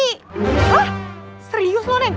hah serius lo neng